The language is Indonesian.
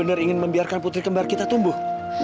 dan membiarkan putri kembar kita tumbuh